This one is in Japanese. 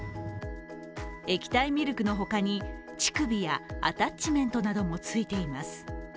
液体ミルクの他に乳首やアタッチメントなどもついています。